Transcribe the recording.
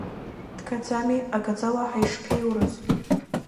Дгаӡами, агаӡа уаҳа ишԥеиурыз?